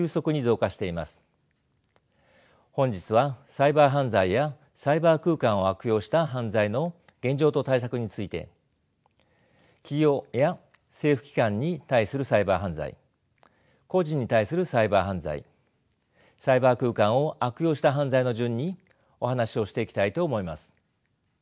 本日はサイバー犯罪やサイバー空間を悪用した犯罪の現状と対策について企業や政府機関に対するサイバー犯罪個人に対するサイバー犯罪サイバー空間を悪用した犯罪の順にお話をしていきたいと思います。